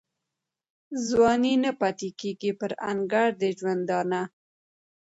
ځواني نه پاته کیږي پر انګړ د ژوندانه